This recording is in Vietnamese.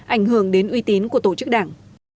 ảnh hưởng đến uy tín của tổ chức đảng